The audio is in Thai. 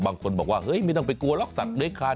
บางคนบอกว่าไม่ต้องไปกลัวลอกศักดิ์เลยค่ะ